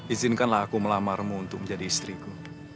izinkanlah aku melamarmu untuk menjadi istriku